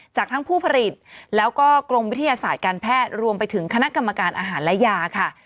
จากทั้งผู้ผลิตแล้วก็กรมวิทยาศาสตร์การแพทย์รวมไปถึงคณะกรรมการอาหารและยาค่ะ